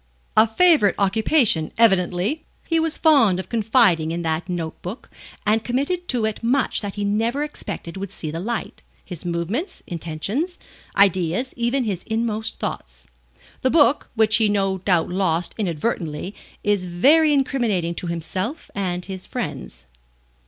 A favourite occupation evidently. He was fond of confiding in that note book, and committed to it much that he never expected would see the light his movements, intentions, ideas, even his inmost thoughts. The book which he no doubt lost inadvertently is very incriminating to himself and his friends."